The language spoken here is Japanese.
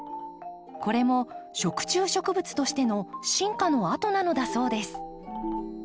これも食虫植物としての進化の跡なのだそうです。